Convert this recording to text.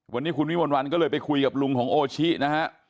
วันนี้คุณวิมวลวันก็เลยไปคุยกับลุงของโอชินะฮะ